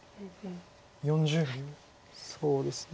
そうですね